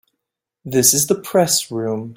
This is the Press Room.